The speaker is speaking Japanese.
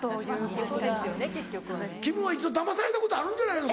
君も一度だまされたことあるんじゃないの？